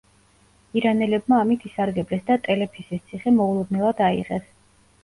ირანელებმა ამით ისარგებლეს და ტელეფისის ციხე მოულოდნელად აიღეს.